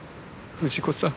藤子さん。